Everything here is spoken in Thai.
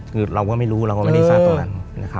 คือเราก็ไม่รู้เราก็ไม่ได้ทราบตรงนั้นนะครับ